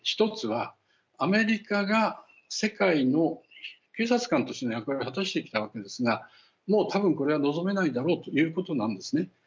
１つはアメリカが世界の警察官としての役割を果たしてきたわけですがもうたぶん、これは望めないだろうということなんですね。